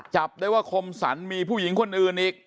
จับได้ว่าคมสรรมีผู้หญิงคนอื่นอีก